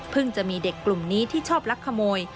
จะมีเด็กกลุ่มนี้ที่ชอบลักขโมย